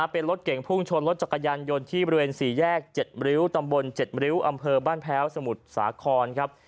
เป็นรถเก่งพุ่งชนรถจักรยานยนต์ที่บริเวณ๔แยก๗ริ้วตำบล๗ริ้วอำเภอบ้านแพ้วสมุทรสาครครับ